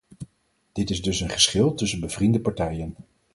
Dit is dus een geschil tussen bevriende partijen.